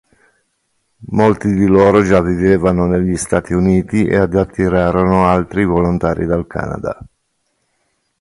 Molti di loro già vivevano negli Stati Uniti ed attirarono altri volontari dal Canada.